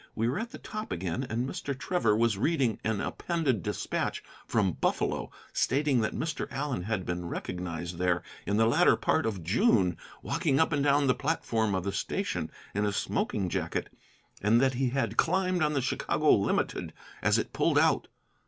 We were at the top again, and Mr. Trevor was reading an appended despatch from Buffalo, stating that Mr. Allen had been recognized there, in the latter part of June, walking up and down the platform of the station, in a smoking jacket, and that he had climbed on the Chicago limited as it pulled out.